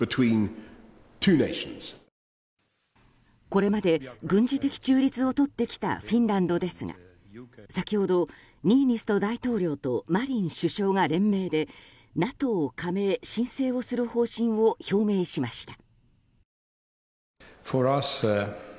これまで軍事的中立をとってきたフィンランドですが先ほど、ニーニスト大統領とマリン首相が連名でＮＡＴＯ加盟申請をする方針を表明しました。